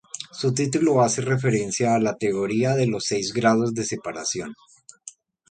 Su título hace referencia a la teoría de los seis grados de separación.